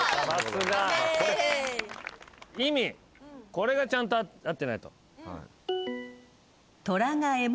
これがちゃんと合ってないと。